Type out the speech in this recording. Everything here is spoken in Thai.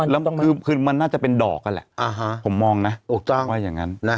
แล้วคือมันน่าจะเป็นดอกนั่นแหละผมมองนะถูกต้องว่าอย่างนั้น